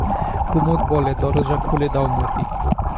কুমুদ বলে, দরজা খুলে দাও মতি।